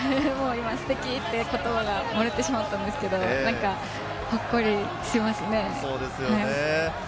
ステキって言葉が漏れてしまったんですけど、ほっこりしますね。